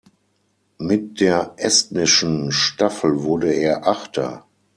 Mit der estnischen Staffel wurde er Achter.